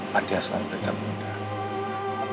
pantiasuhan pelita bunda